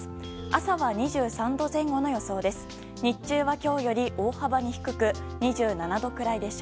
朝は２３度前後の予想です。